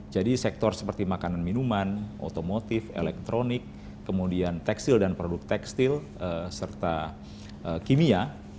jadi sektor seperti makanan minuman otomotif elektronik kemudian tekstil dan produk tekstil serta kimia